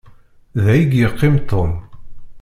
Da i yeqqim Tom.